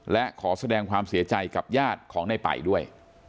และขอแสดงความเสียใจกับญาติของในป่ายด้วย